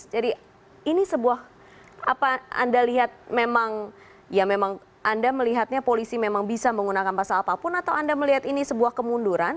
jadi ini sebuah apa anda melihatnya polisi memang bisa menggunakan pasal apapun atau anda melihat ini sebuah kemunduran